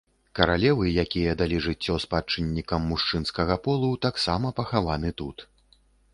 Каралевы, якія далі жыццё спадчыннікам мужчынскага полу, таксама пахаваны тут.